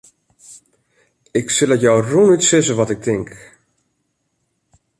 Ik sil it jo rûnút sizze wat ik tink.